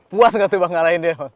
puas nggak tuh bang ngalahin dia